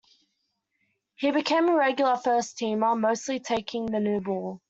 He became a regular first teamer, mostly taking the new ball.